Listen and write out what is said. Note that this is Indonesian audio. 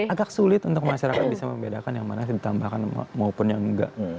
agak sulit untuk masyarakat bisa membedakan yang mana ditambahkan maupun yang enggak